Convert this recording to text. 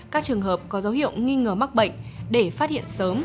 các trường hợp có dấu hiệu nghi ngờ mắc bệnh để phát hiện sớm